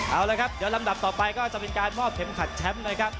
เอาละครับเดี๋ยวลำดับต่อไปก็จะเป็นการมอบเข็มขัดแชมป์นะครับ